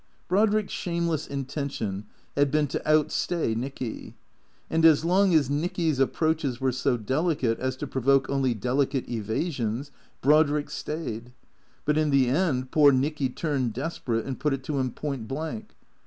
Brodrick's shameless intention had been to out stay Nicky. And as long as Nicky's approaches were so delicate as to pro voke only delicate evasions, Brodrick stayed. But in the end poor Nicky turned desperate and put it to him point blank.